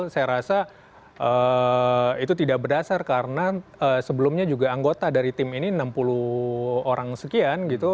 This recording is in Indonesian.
saya rasa itu tidak berdasar karena sebelumnya juga anggota dari tim ini enam puluh orang sekian gitu